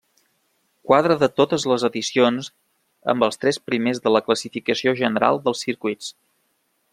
Quadre de totes les edicions amb els tres primers de la classificació general dels circuits.